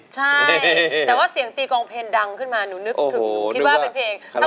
ใช่แต่ว่าเสียงตีกองเพลงดังขึ้นมาหนูนึกถึงหนูคิดว่าเป็นเพลง